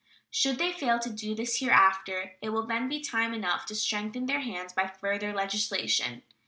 Should they fail to do this hereafter, it will then be time enough to strengthen their hands by further legislation.